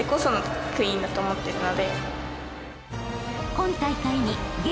［今大会に現